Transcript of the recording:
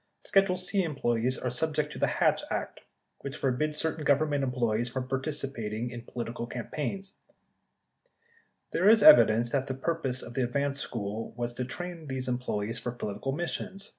"Schedule C" employees are subject to the Hatch Act which for bids certain Government employees from participating in political campaigns. (See the discussion in section VIII below.) There is evidence that the purpose of the advance school was to train these employees for political missions.